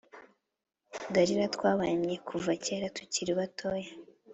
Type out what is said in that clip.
Derira twabanye kuva kera tukiri batiya